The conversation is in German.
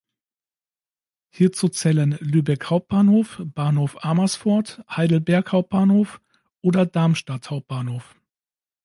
Hierzu zählen Lübeck Hauptbahnhof, Bahnhof Amersfoort, Heidelberg Hauptbahnhof oder Darmstadt Hauptbahnhof.